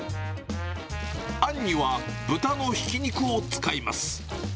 あんには豚のひき肉を使います。